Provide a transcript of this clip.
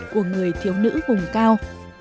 của người thiếu nữ vùng cao